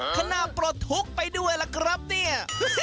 ขนามปลดทุกข์ไปด้วยล่ะครับเนี่ย